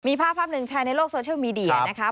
มีภาพภาพหนึ่งแชร์ในโลกโซเชียลมีเดียนะคะ